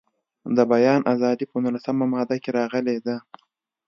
د بیان ازادي په نولسمه ماده کې راغلې ده.